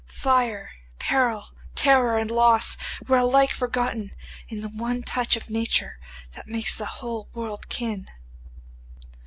Fire, peril, terror, and loss were alike forgotten in the one touch of nature that makes the whole world kin.